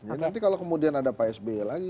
jadi nanti kalau kemudian ada psb lagi